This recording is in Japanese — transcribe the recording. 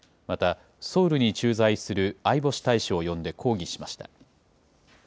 また、ソウルに駐在する相星大使を呼んで抗議しました。